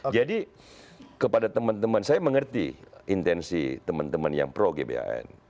jadi kepada teman teman saya mengerti intensi teman teman yang pro gban